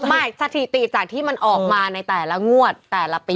ไม่สถิติจากที่มันออกมาในแต่ละงวดแต่ละปี